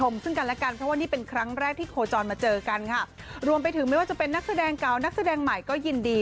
เพราะว่านี่เป็นครั้งแรกที่โคจรมาเจอกันค่ะรวมไปถึงไม่ว่าจะเป็นนักแสดงเก่านักแสดงใหม่ก็ยินดี